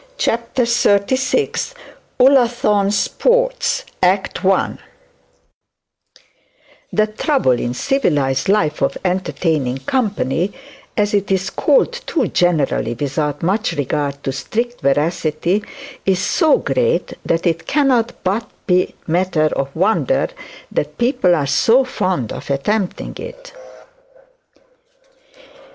CHAPTER XXXVI ULLATHORNE SPORTS ACT I The trouble in civilised life of entertaining company, as it is called too generally without much regard to strict veracity, is so great that it cannot but be matter of wonder that people are so fond of attempting it.